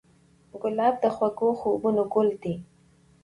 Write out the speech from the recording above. ګلاب د خوږو خوبونو ګل دی.